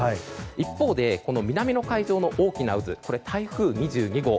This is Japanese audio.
一方で、南の海上の大きな渦は台風２２号。